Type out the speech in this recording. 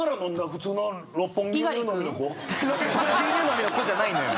６本牛乳飲みの子じゃないのよ。